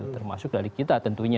termasuk dari kita tentunya